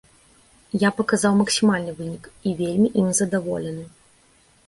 Я паказаў максімальны вынік і вельмі ім задаволены.